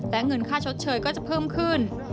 และเงินค่าชดเชยก็จะเพิ่มขึ้น